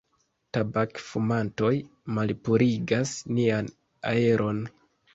Tabak-fumantoj malpurigas nian aeron.